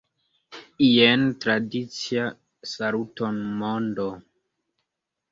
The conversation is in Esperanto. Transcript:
Jen tradicia Saluton, mondo!